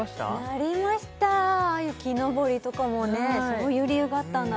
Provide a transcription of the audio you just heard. なりましたああいう木登りとかもねそういう理由があったんだ